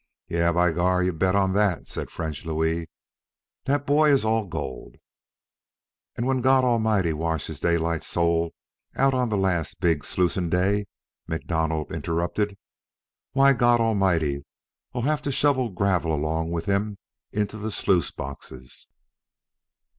"Yes, by Gar! you bet on dat," said French Louis. "Dat boy is all gold " "And when God Almighty washes Daylight's soul out on the last big slucin' day," MacDonald interrupted, "why, God Almighty'll have to shovel gravel along with him into the sluice boxes."